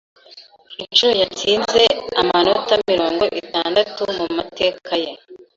Inshuro yatsinze amanota mirongo itandatu mu mateka ye.